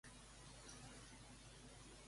Ja fa varis anys que va passar tot això.